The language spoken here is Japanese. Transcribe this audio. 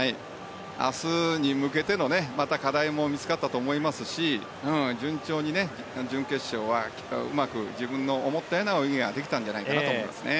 明日に向けての課題も見つかったと思いますし順調に準決勝はうまく自分の思ったような泳ぎができたんじゃないかなと思いますね。